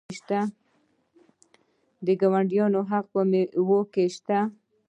د ګاونډیانو حق په میوو کې شته.